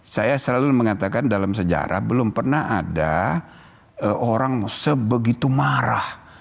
saya selalu mengatakan dalam sejarah belum pernah ada orang sebegitu marah